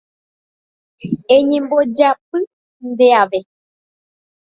eñembojápy ndeave.